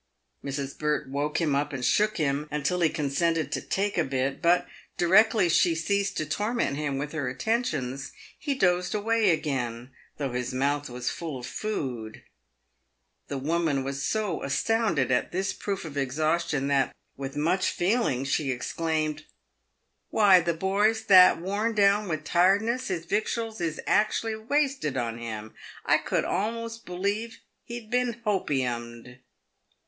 Mrs. Burt woke him up, and shook him until he consented to " take a bit," but, directly she ceased to torment him with her attentions, he dozed away again, though his mouth was full of food. The woman was so astounded at this proof of exhaustion, that with much feeling she exclaimed, " Why, the boy's that worn down with tiredness his victuals is acshly wasted on him. I could a'most believe he'd been hopiumed."